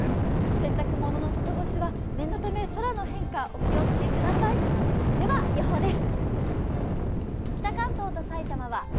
洗濯物の外干しは念のため、空の変化、お気をつけくださいでは、予報です。